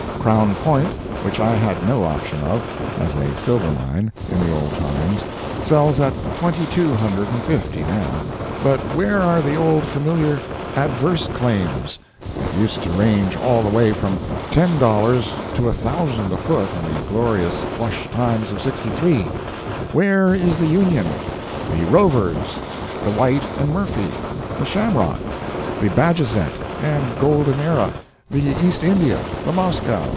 Crown Point, which I had no option of, as a silver mine, in the old times, sells at twenty two hundred and fifty, now. But where are the old familiar "adverse" claims, that used to range all the way from ten dollars to a thousand a foot in the glorious "flush times of '63?" Where is the Union? The Rovers? The White and Murphy? The Shamrock? The Bajazet and Golden Era? The East India? The Moscow?